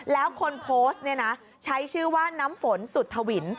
แล้วคนโพสต์เนี่ยนะใช้ชื่อว่าน้ำฝนสุธวิน